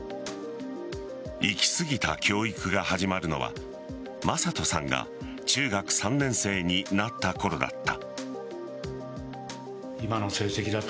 行き過ぎた教育が始まるのは匡人さんが中学３年生になったころだった。